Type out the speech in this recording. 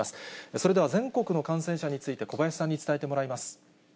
それでは、全国の感染者について、小林さんに伝えてもらいます。